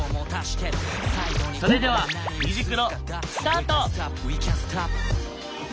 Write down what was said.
それでは「虹クロ」スタート！